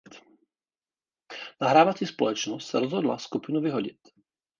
Nahrávací společnost se rozhodla skupinu vyhodit.